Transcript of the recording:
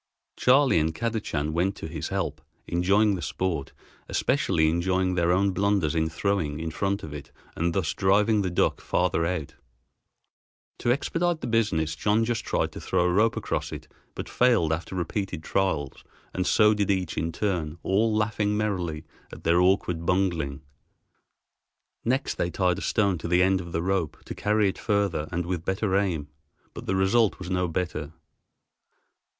Charley and Kadachan went to his help, enjoying the sport, especially enjoying their own blunders in throwing in front of it and thus driving the duck farther out. To expedite the business John then tried to throw a rope across it, but failed after repeated trials, and so did each in turn, all laughing merrily at their awkward bungling. Next they tied a stone to the end of the rope to carry it further and with better aim, but the result was no better.